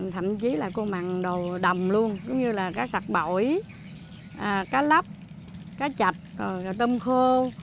thậm chí là cô mặc đồ đầm luôn giống như là cá sạc bội cá lắp cá chạch rồi là tôm khô